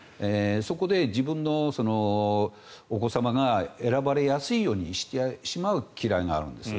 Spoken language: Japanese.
そこで自分のお子様が選ばれやすいようにしてしまう嫌いがあるんです。